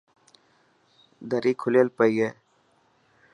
دري کليل پئي هي.